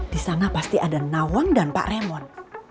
disana pasti ada nawang dan pak remon